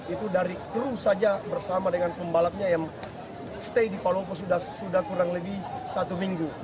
itu dari kru saja bersama dengan pembalapnya yang stay di palopo sudah kurang lebih satu minggu